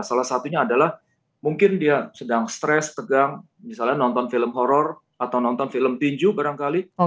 salah satunya adalah mungkin dia sedang stres tegang misalnya nonton film horror atau nonton film tinju barangkali